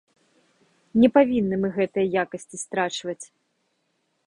Не павінны мы гэтыя якасці страчваць.